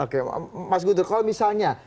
oke mas guntur kalau misalnya